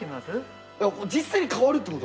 実際に変わるってこと？